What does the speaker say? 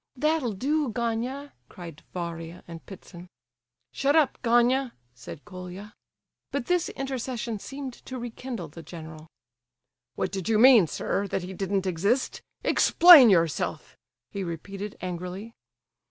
"That'll do, Gania!" cried Varia and Ptitsin. "Shut up, Gania!" said Colia. But this intercession seemed to rekindle the general. "What did you mean, sir, that he didn't exist? Explain yourself," he repeated, angrily.